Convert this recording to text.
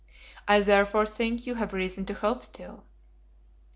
I therefore think you have reason to hope still."